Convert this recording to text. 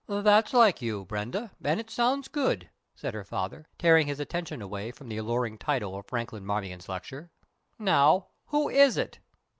"That's like you, Brenda, and it sounds good," said her father, tearing his attention away from the alluring title of Franklin Marmion's lecture. "Now, who is it?"